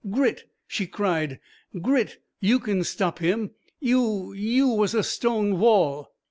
"Grit," she cried, "Grit, you can stop him. You ... you was a stone wall...."